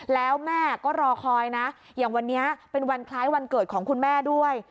แล้วแม่ก็รอคอยนะอย่างวันนี้เป็นวันคล้ายวันเกิดของคุณแม่ด้วย